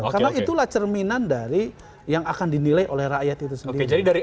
karena itulah cerminan dari yang akan dinilai oleh rakyat itu sendiri